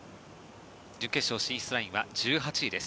準決勝進出ラインは１１位です。